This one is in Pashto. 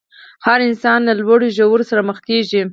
هر انسان له لوړو ژورو سره مخ کېږي.